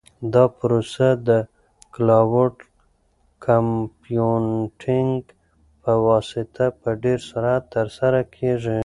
دا پروسه د کلاوډ کمپیوټینګ په واسطه په ډېر سرعت ترسره کیږي.